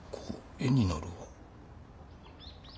絵になるわ。